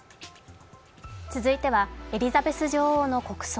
続いてはエリザベス女王の国葬。